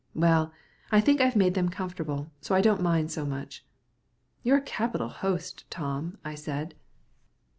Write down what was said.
Well, I think I've made them comfortable, so I don't mind so much." "You're a capital host, Tom," I said.